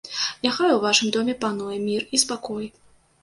Няхай у вашым доме пануе мір і спакой.